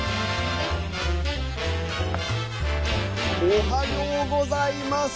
おはようございます。